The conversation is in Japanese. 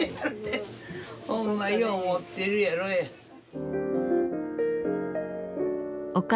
ほんまようもってるやろえ。